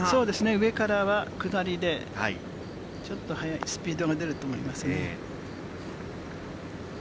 上からは下りでちょっと速いスピードが出ると思いますね。